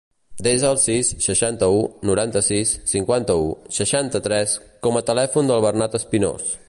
Desa el sis, seixanta-u, noranta-sis, cinquanta-u, seixanta-tres com a telèfon del Bernat Espinos.